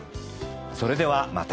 それではまた。